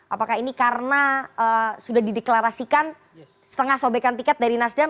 apakah ini karena sudah dideklarasikan setengah sobekan tiket dari nasdem